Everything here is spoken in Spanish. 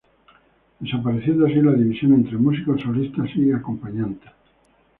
Desapareciendo así la división entre músicos solistas y acompañantes.